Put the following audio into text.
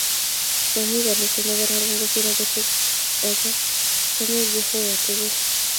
Momi kaniset nekararan kosir age, chomech Jeovah tukul